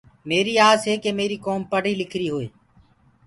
ميري آس هي ڪي ميري ڪوم پڙريٚ لکريٚ هوئي۔